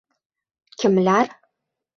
— Kimlar?